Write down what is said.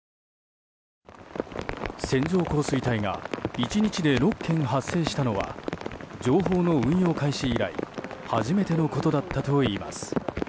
線状降水帯が１日で６県発生したのは情報の運用開始以来初めてのことだったといいます。